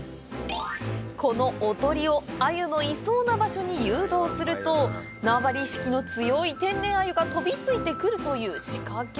このおとりをアユのいそうな場所に誘導すると縄張り意識の強い天然アユが飛びついてくるという仕掛け。